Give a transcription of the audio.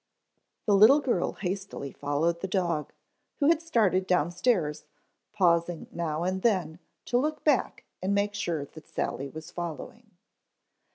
The little girl hastily followed the dog, who had started downstairs, pausing now and then to look back and make sure that Sally was following.